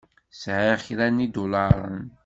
Sɛiɣ kra n yidulaṛen.